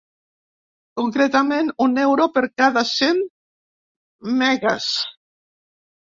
Concretament, un euro per cada cent megues.